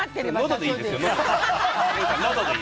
のどでいいですよ。